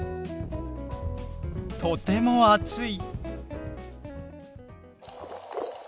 とても暑い。